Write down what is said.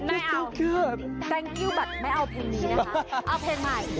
อีกหน่อย